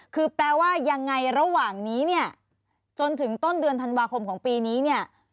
คือแปลว่ายังไงระหว่างนี้เนี่ยจนถึงต้นเดือนธันวาคมของปีนี้เนี่ย